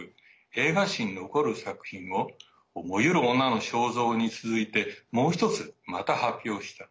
映画史に残る作品を「燃ゆる女の肖像」に続いてもう１つ、また発表した。